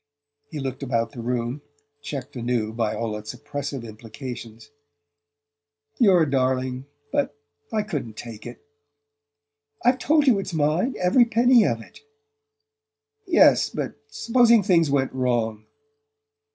He looked about the room, checked anew by all its oppressive implications. "You're a darling...but I couldn't take it." "I've told you it's mine, every penny of it!" "Yes; but supposing things went wrong?"